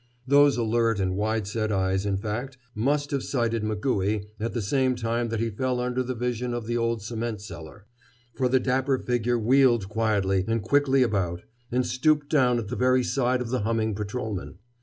Those alert and wide set eyes, in fact, must have sighted McCooey at the same time that he fell under the vision of the old cement seller. For the dapper figure wheeled quietly and quickly about and stooped down at the very side of the humming patrolman.